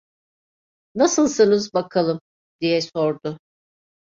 Nasılsınız bakalım? diye sordu.